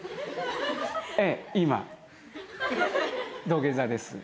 土下座です。